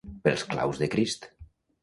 Pels claus de Crist!